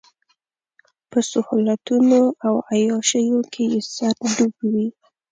په سهولتونو او عياشيو کې يې سر ډوب وي.